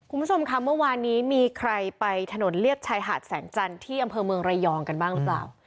คุณผู้ชมค่ะเมื่อวานนี้มีใครไปถนนเลียบชายหาดแสงจันทร์ที่อำเภอเมืองระยองกันบ้างหรือเปล่า